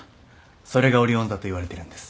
それがオリオン座といわれてるんです。